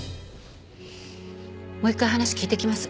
もう一回話聞いてきます。